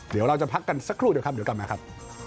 เดี๋ยวเราจะพักกันสักครู่เดี๋ยวครับเดี๋ยวกลับมาครับ